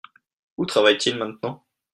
Où travaille t-il maintenant ?